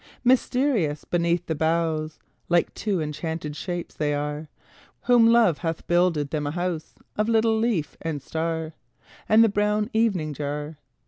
Mysterious, beneath the boughs, Like two enchanted shapes, they are, Whom Love hath builded them a house Of little leaf and star, And the brown evening jar.